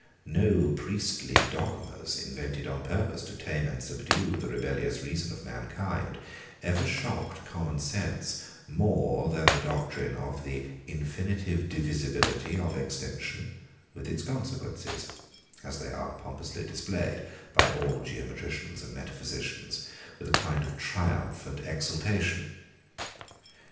No priestly dogmas, invented on purpose to tame and subdue the rebellious reason of mankind, ever shocked common sense more than the doctrine of the infinitive divisibility of extension, with its consequences; as they are pompously displayed by all geometricians and metaphysicians, with a kind of triumph and exultation.